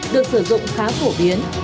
được sử dụng khá phổ biến